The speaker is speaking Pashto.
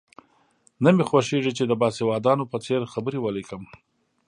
نه مې خوښېږي چې د باسوادانو په څېر خبرې ولیکم.